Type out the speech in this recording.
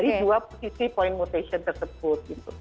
dari dua posisi point mutation tersebut gitu